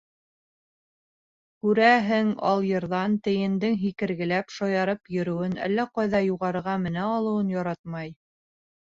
КүрәҺең, алйырҙан тейендең Һикергеләп, шаярып йөрөүен, әллә ҡайҙа юғарыға менә алыуын яратмай.